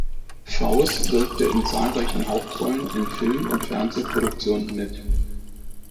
Pfaus wirkte in zahlreichen Hauptrollen in Film- und Fernsehproduktionen mit.